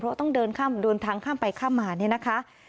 เพราะต้องเดินทางข้ามไปข้ามมา